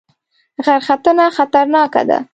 غرختنه خطرناکه ده؟